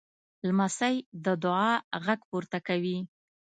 لمسی د دعا غږ پورته کوي.